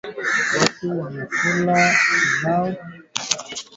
wanajeshi wawili wa Rwanda wamekamatwa na